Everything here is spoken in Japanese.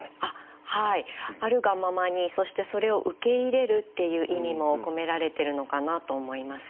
そしてそれを「受け入れる」っていう意味も込められてるのかなと思います。